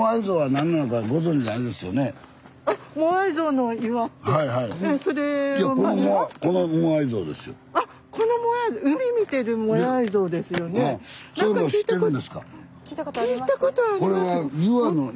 何か聞いたことあります。